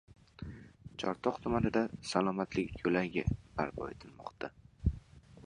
Chortoq tumanida “Salomatlik yo‘lagi” barpo etilmoqda